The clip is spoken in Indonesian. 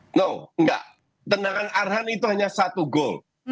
enggak tendangan arhan itu hanya satu gol